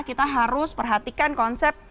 kita harus perhatikan konsep